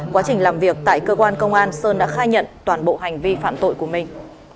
quá trình làm việc tại cơ quan công an sơn đã khai nhận toàn bộ hành vi phạm tội của mình